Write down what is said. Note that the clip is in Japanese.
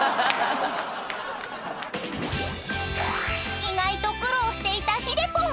［意外と苦労していたひでぽん］